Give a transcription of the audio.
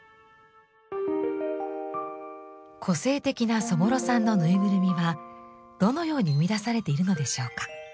個性的なそぼろさんのぬいぐるみはどのように生み出されているのでしょうか？